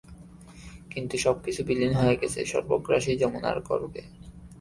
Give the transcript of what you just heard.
কিন্তু সবকিছু বিলীন হয়ে গেছে সর্বগ্রাসী যমুনার গর্ভে।